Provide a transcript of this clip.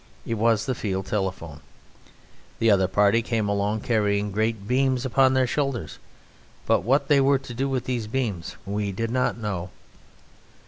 It was the field telephone. The other party came along carrying great beams upon their shoulders, but what they were to do with these beams we did not know.